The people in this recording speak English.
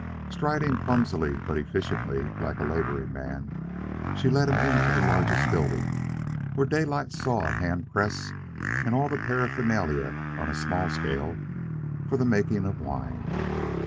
Striding clumsily but efficiently, like a laboring man, she led him into the largest building, where Daylight saw a hand press and all the paraphernalia on a small scale for the making of wine.